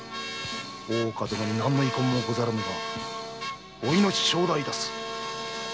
大岡殿に何の遺恨もござらぬがお命頂戴致す！